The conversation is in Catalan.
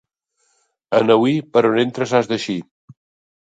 Annauir, per on entres has d'eixir.